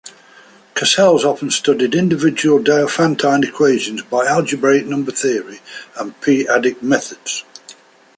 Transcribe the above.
Cassels often studied individual Diophantine equations by algebraic number theory and p-adic methods.